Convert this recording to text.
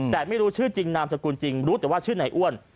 แต่ไม่รู้ชื่อจริงนามสกุลจริงรู้แต่ว่าชื่อนายอ้วน